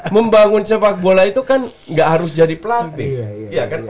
membangun sepak bola itu kan nggak harus jadi pelatih